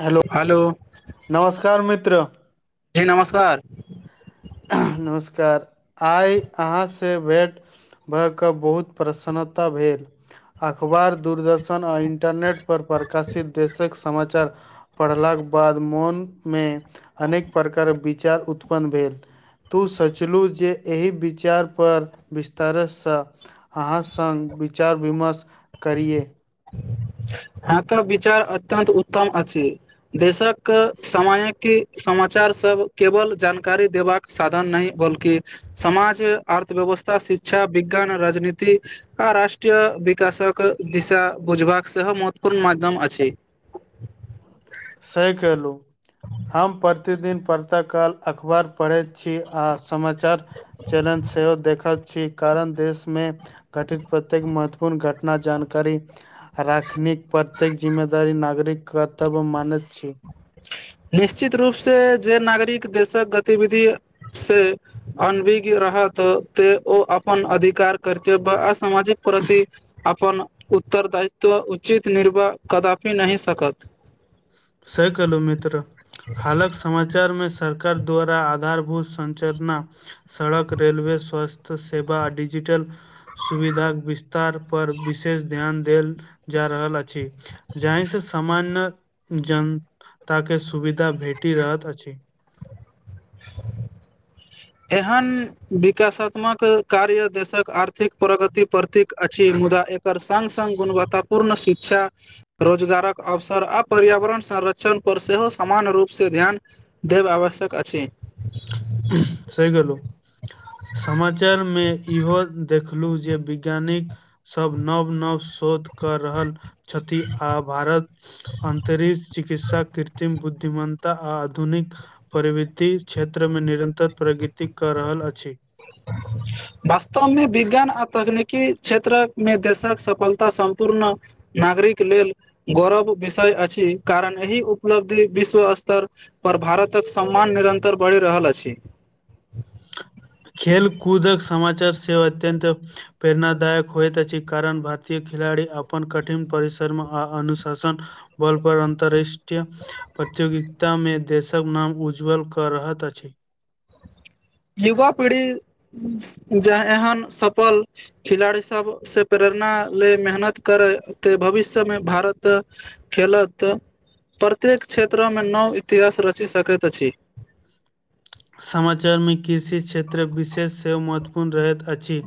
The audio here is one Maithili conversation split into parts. हेलो, नमस्कार मित्र। जी नमस्कार। नमस्कार आइ अहां से भेट भ क बहुत प्रसन्नता भेल, अकबार, दूरदर्शन आ इंटरनेट पर प्रकाशित देशक समाचार पढ़लाक बाद मौन मे अनेक प्रकार के विचार उत्पन्न भेल। तू सोचलु जे एहि विचार पर विस्तारस से अहां संग विचार विमर्श करियै। हां क विचार अत्यंत उत्तम अछि। देशक समय की समाचार सब केवल जानकारी देबाक साधन नहि बल्कि समाज अर्थव्यवस्था शिक्षा विज्ञान राजनीति आ राष्ट्रीय विकाशक दिशा बुझबाक सेहो महत्वपूर्ण माध्यम अछि। सही केहलु। हम प्रतिदिन प्रातःकाल अखबार पढ़ैत छी आ समाचार चैलेंज सेहो देखत छी कारण देशमे घटित प्रत्येक महत्वपूर्ण घटना जानकारी राखनीक प्रत्येक जिम्मेदारी नागरिक कर्तव्य मानैत छी। निश्चित रूप से जे नागरिक देशक गतिविधि से अनभिज्ञ रहत तै ओ अपन अधिकार कर्तव्य आ सामाजिक प्रति अपन उत्तरदायित्व उचित निर्वाह कदापि नहि सकत। सही कहलो मित्र। हालक समाचार मे सरकार द्वारा आधारभूत संचरना सड़क, रेलवे, स्वस्थ्य सेवा, डिजिटल सुविधाक विस्तार पर विशेष ध्यान देल जाए रहल अछि। जाहि से सामान्य जनता के सुविधा भेटी रहत अछि। [inaudible] एहन विकासात्मक कार्य देशक आर्थिक प्रगति प्रत्येक अछि मुदा एकर संग-संग गुणवत्तापूर्ण शिक्षा रोजगारक अवसर आ पर्यावरण संरक्षण पर सेहो सामान्य रूप से ध्यान दैब आवश्यक अछि। सही कहलू। समाचार मे इहो देखलु जे विज्ञानिक सब नव-नव शोध कर रहल छथि आ भारत अन्तरिक चिकित्सा कृत्रिम बुद्धिमता आ आधुनिक प्रवृति क्षेत्रमे निरन्तर प्रगति कऽ रहल अछि। वास्तव मे विज्ञान आ तकनीकी क्षेत्रक मे देशक सफलता सम्पूर्ण नागरिक लेल गौरव विषय अछि कारण एहि उपलब्ध विश्व स्तर पर भारतक सम्मान निरन्तर बढि रहल अछि। खेल कूदक समाचार सेहो अत्यंत प्रेरणादायक होइत अछि, कारण भारतीय खिलाड़ी अपन कठिन परिश्रम आ अनुशासन बोलपर अन्तर्रष्ट्रीय प्रतिगयोगिता में देशक नाम उज्ज्वल कऽ रहत अछि। युवा पीढ़ी उम्म जे एहन सपल खिलाड़ी सब से प्रेरणा ले मेहनत करै ते भविष्य में भारत खेलत प्रत्येक क्षेत्र में नाव इतिहास रची सकैत अछी। समाचार में कृषि क्षेत्र विशेष सेहो महत्वपूर्ण रहैत अछी।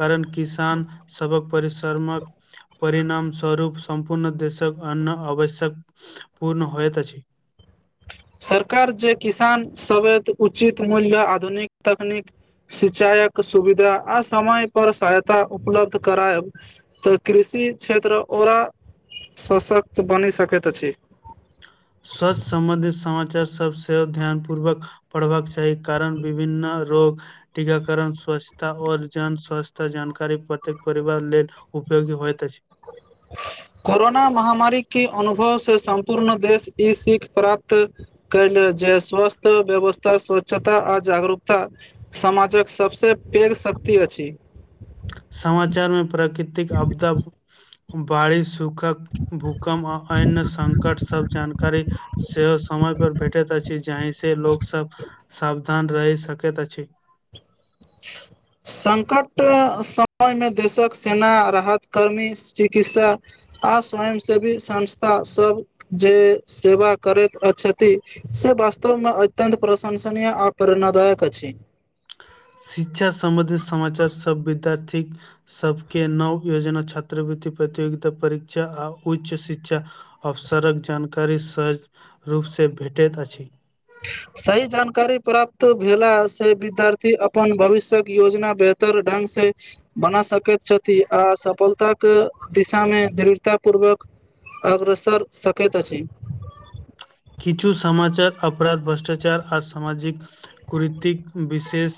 कारण किसान सबक परिसरमक परिणाम स्वरूप संपूर्ण देशक अन्न आवश्यक पूर्ण होयत अछि। सरकार जे किसान सबेत उचित मूल्य आधुनिक तकनीक सिचायक सुविधा आ समय पर सहायता उपलब्ध करायब। तऽ कृषि क्षेत्र ओरा सशक्त बनि सकैत अछी। स्वस्थ सम्बंधित समाचार सब ध्यान पूर्वक पढ़बाक चाही कारण विभिन्न रोग टीकाकरण स्वच्छता और जन स्वच्छता जानकारी प्रत्येक परिवार लेल उपयोगी होइत अछि। कोरोना महामारी के अनुभव से सम्पूर्ण देश ई सीख प्राप्त कैयले जे स्वस्थ व्यवस्था स्वच्छता आ जागरूकता समाजक सभसे पेघ शक्ति अछी। समाचार में प्राकृतिक आपदा बाढ़ी सूख [unintelligible] भूकम आ ऐन्य संकट सब जानकारी सेहो समय पर भेटैत अछि, जांहि से लोक सब सावधान रहि सकैत अछि। संकट समय में देशक सेना राहत कर्मी चिकित्सा आ स्वयं सेवी संस्था सब जे सेवा करैत अछथी। स वास्तवमें अत्यन्त प्रशंसनीय आ प्रेरणादायक अछी। शिक्षा सम्बध समाचार स विद्यार्थी सबके नव योजना छात्रवृति प्रतियोगिता परीक्षा आ उच्च शिक्षा अवसरक जानकारी सहज रूप से भेटैत अछी। सही जानकारी प्राप्त भेला से विद्यार्थी अपन भविष्यक योजना तर ढंग से बना सकैत छथि आ सफलता के दिशा में दृढ़ता पूर्वक अग्रसर सकैत अछी। किछु समाचार अपराध भ्रष्टाचार आ समाजिक कुरतिक विशेष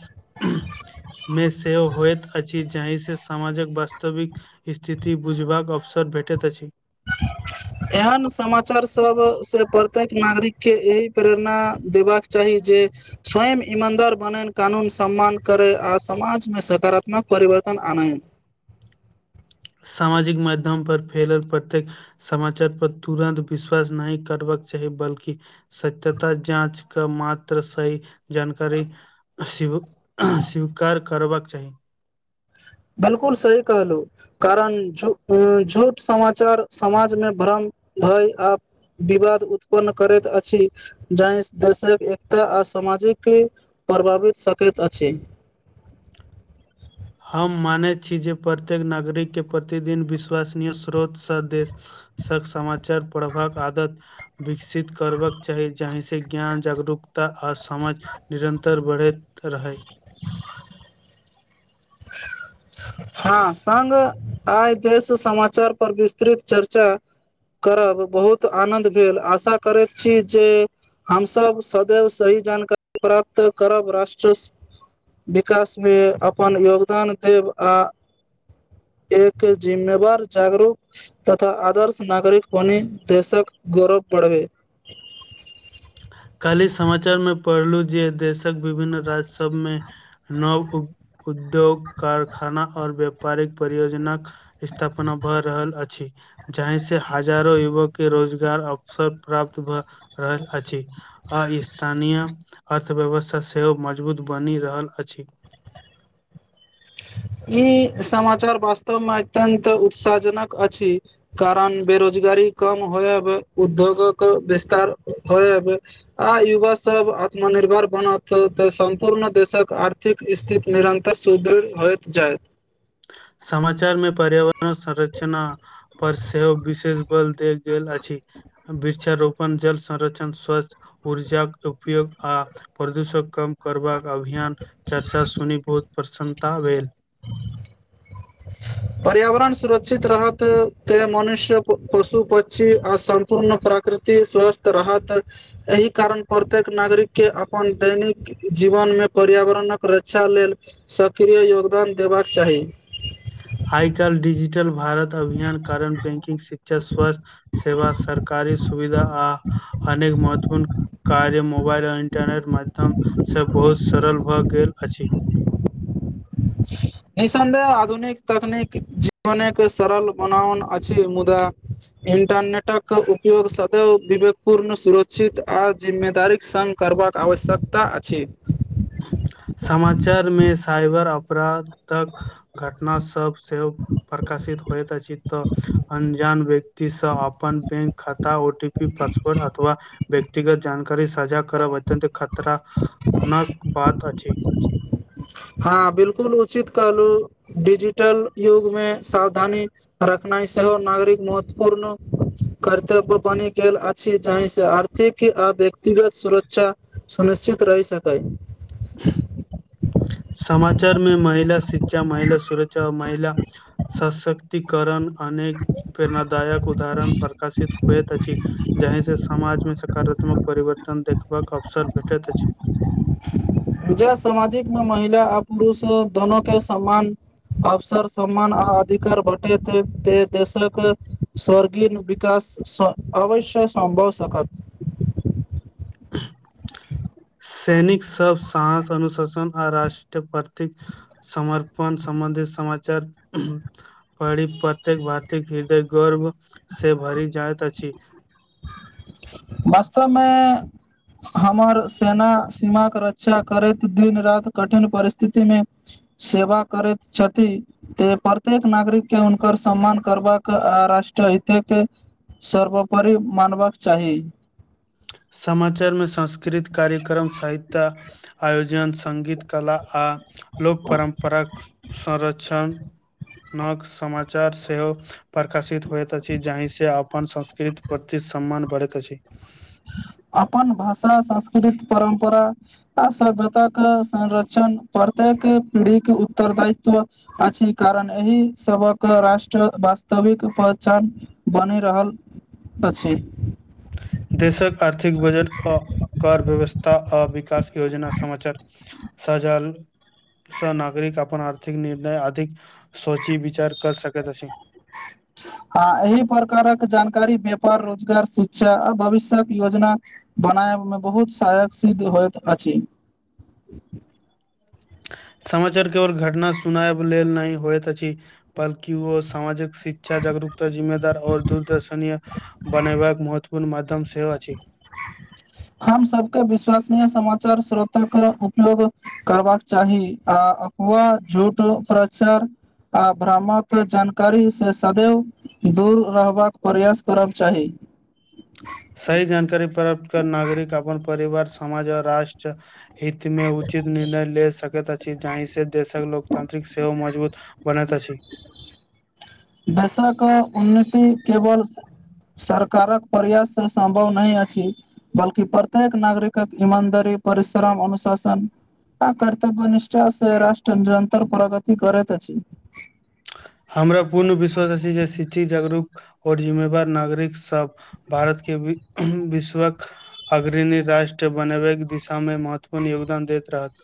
में सेहो होइत अछि जाहिसँ समाजक वास्तविक स्थिति बुझबाक अवसर भेटैत अछि। आ। एहन समाचार सब से प्रत्येक नागरिक के एही प्रेरणा देबाक चाही जे स्वयं ईमानदार बनेन कानून सम्मान करैय आ समाज में सकारात्मक परिवर्तन आनय। सामाजिक माध्यम पर फैलल पड़तै समाचार पर तुरन्त विश्वास नहि करबाक चाही बल्कि सत्यता जाँच क मात्र सही जानकारी स्वी स्वीकीकार करबाक चाही। बिलकुल सही कहलहु। कारण झू झूठ समाचार समाजमे भ्रम भय आ। विवाद उत्पन्न करैत अछि। जाहि देशक एकता आ सामाजिक प्रभावित सकैत अछि। हम मानैत छी जे प्रत्येक नागरिकके प्रतिदिन विश्वसनीय स्रोतसँ देश। सख समाचार प्रभाक आदत विकसित करबाक चाही जाहिसँ ज्ञान जागरूक तऽ आ समाज निरन्तर बढ़ैत रहय। [unintelligible] हँ सग आइ देश समाचार पर विस्तृत चर्चा करब बहुत आनन्द भेल आशा करैत छी जे हमसब सदैव सही जानकारी प्राप्त करब राष्ट्रसँ विकासमे अपन योगदान देब आ एक जिम्मेवार जागरूक तथा आदर्श नागरिक बनी देशक गौरव बढ़बै। काल्हि समाचार में पढ़लू जे देशक विभिन्न राज्य सब मे नव उ उद्योग कारखाना आऔर व्यापारिक परियोजना कऽ स्थापना भऽ रहल अछि। जहहिं से हजारो युवक के रोजगार अवसर प्राप्त भए रहल अछि। आ स्थानीय अर्थव्यवस्था सेहो मजबूत बनि रहल अछि। ई समाचार वास्तवमे अत्यन्त उत्साह जनक अछि। कारण बेरोजगारी कम होइब उद्योगक विस्तार होइब आ युवा सभ आत्मनिर्भर बनत तऽ सम्पूर्ण देशक आर्थ थिक स्थिति निरन्तर सुदृढ़ होइत जायत। समाचार मे पर्यावरण संरचना पर सेहो विशेष बल देल गेल अछि। वृक्षारोपण जल संरक्षण स्वच्छ ऊर्जाक उपयोग आ प्रदूषण कम करबाक अभियान चर्चा सुनी बहुत प्रसन्नता भेल। ह। पर्यावरण सुरक्षित रहत त मनुष्य पशु प्षी आ सम्पूर्ण प्रकृतिक स्वस्थ रहत एहि कारण प्रत्येक नागरिक के अपन दैनिक जीवन मे पर्यावरणक रक्षा लेल सक्रिय योगदान देबाक चाही। आइ काल्हि डिजिटल भारत अभियान कारण बैंकिंग शिक्षा स्वास्थ्य सेवा सरकारी सुविधा आ अनेक महत्वपूर्ण कार्य मोबाइलन इंटरनेट माध्यम से बहुत सरल भए गेल अछि। निःसन्देह आधुनिक तकनीक जीवन के सरल बनाउन अछि मुदा इंटरनेटक उपयोग सदैव विवेकपूर्ण सुरक्षित आ जिम्मेदारीक सङ्ग करबाक आवश्यकता अछि [unintelligible] समाचार मे साइबर अपराधक तक घटना सभ सेहो प्रकाशित होइत अछि तऽ अनजान व्यक्तिसँ अपन बैंक खाता ओ टी पी पासवर्ड अथवा व्यक्तिगत जानकारी साझा करब अत्यत खतरा नक बात अछि। हँ, बिलकुल उचित कहलू, डिजिटल युग में सावधानी रखनाइ सेहो नागरिक महत्वपूर्ण कर्तव्य बनि गेल अछि, जहिसँ आर्थिक आ व्यक्तिगत सुरक्षा सुनिश्चित रहि सकय। समाचार में महिला शिक्षा, महिला सुरक्षा आओर महिला सशक्तिकरण अनेक प्रेरणादायक उदाहरण प्रकाशित होइत अछि। जही से समाज मे सकारात्मक परिवर्तन देखबाक अवसर भेटैत अछि। ज सामाजिक में महिला आ पुरुष दोनो के सम्मान अवसर सम्मान आ अधिकार भटेत ते देशक स्वर्गीयनु विकास अवश्य सम्भव सकत। सैनिक सब साहस- अनुशासन आ राष्ट्र प्रति समर्पण सम्बन्धित समाचार पढ़ी प्रत्येक भारती हृदय गर्व से भरि जाइत अछि। वास्तव में। हमर सेना सीम के रक्षा करैत, दिन -राति कठिन परिस्थिति मे सेवा करैत छथि। तऽ प्रत्येक नागरिक के हुनकर सम्मान करबाक राष्ट्रीय हिते के सर्वोपरि मानबाक चाही। समाचार में संस्कृत कार्यक्रम संहिता आयोजन संगङगीत कला, आ लोक परम्पराक संरक्षण नव समाचार सेहो प्रकाशित होइत अछि। जाहि से अपन संस्कृति प्रति सम्मान बढ़ैत अछि। अपन भाषा संस्कृति परम्परा आ सभ्यता के संरक्षण प्रत्येक पीढ़ीक के उत्तर दायित्व अछि। कारण एहि सबक राष्ट्र वास्तविक पहचान बनि रहल अछि। देशक आर्थिक बजट अ कर व्यवस्था आ विकास योजना समाचार सजाल। स नागरिक अपन आर्थिक निर्णय अधिक सोची विचार कर सकैत अछि। हँ एहि प्रकारक जानकारी व्यापार, रोजगार शिक्षा आ भविष्यक योजना। बनाय मे बहुत सहायक सिद्ध होइत अछि। समाचार केवल घटना सुनायब लेल नहि होइत अछि। बल्कि ओ सामाजिक शिक्षा, जागरूकता, जिम्मेदार और दूरदर्शनीय बनेयबाक महत्वपूर्ण मध्यम सेहो अछि। हम सबके विश्वसनीय समाचार श्रोता क उपयोग करबाक चाही आ अफवाह, झूठ, प्रचर आ भ्रामक जानकारी से सदैव दूर रहबाक प्रयास करक चाही। सही जानकारी प्राप्त करना नागरिक अपन परिवार समाज और राष्ट्र हित में उचित निर्णय ले सकैत अछि, जाहि से देशक लोक तांत्रिक सेवा मजबूत बनैत अछि। देशक उन्नति केवल सर कारक प्रयास सऽ सम्भव नहि अछि। बल्कि प्रत्येक नागरिकक ईमानदारी, परिश्रम, अनुशासन आ कर्तव्य निष्ठा सं राष्ट्र निरन्तर प्रगति करैत अछी। हमरा पूर्ण विश्वास अछी जे शिक्षित जागरूक आओर जिम्मेवार नागरिक सब भारत के वि विश्वक अग्रीणी राष्ट्र बनबैके दिशामे महत्वपूर्ण योगदान देैत रहत।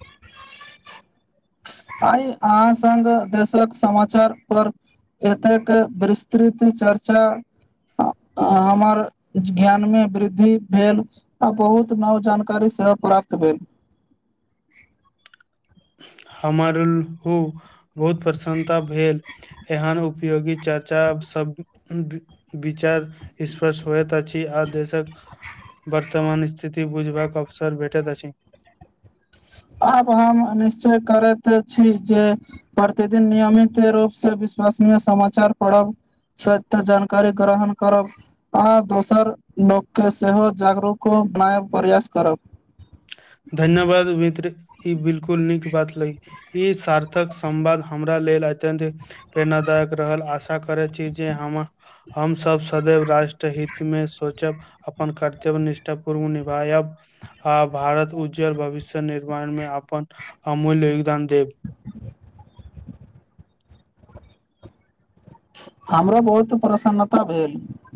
आइ अहाँ संग दशक समाचार पर ओतके विस्तृत चर्चा हमर ज्ञानमे वृद्धि भेल। आ बहुत नब जानकारी सेहो प्राप्त भेल। हमर हु बहुत प्रसन्नता भेल। एहन उपयोगी चर्चा सब विचार स्पश होयत अछी आ देशक वर्तमान स्थिति बुझबाक अवसर भेटैत अछी। आब हम निश्चय करैत अछी जे प्रतिदिन नियमित रूप स विश्वसनीय समाचार पढ़ब सबटा जानकारी ग्रहण करब आ दोसर लोकके सेहो जागरूको बनाय प्रयास करब। धन्यवाद मित्र, ई बिलकुल नीक बात लै ई सार्थक संवाद हमरा लेल अत्यन्त प्रेरणादायक रहल। आशा करै छी जे हम हमसब सदैव राष्ट्र हितमे सोचब। अपन कर्तव्य निष्ठा पूर्व निभायब आब भारत उज्ज्वल भविष्य निर्माण मे अपन अमूल्य योगदान देब। हमरा बहुत प्रसन्नता भेल।